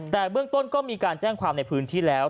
แต่เบื้องต้นก็มีการแจ้งความในพื้นที่แล้ว